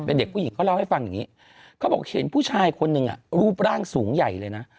เป็นเด็กผู้หญิงเขาเล่าให้ฟังอย่างนี้เขาบอกเห็นผู้ชายคนหนึ่งรูปร่างสูงใหญ่เลยนะ